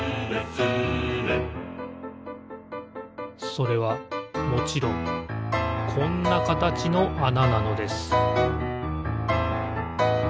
それはもちろんこんなかたちのあななのです